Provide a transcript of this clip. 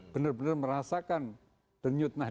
benar benar merasakan denyut nah